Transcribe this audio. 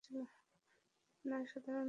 না, সাধারণত নয়।